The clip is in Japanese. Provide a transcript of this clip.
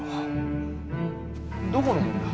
どこのもんだ？